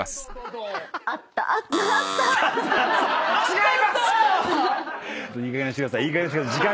違います！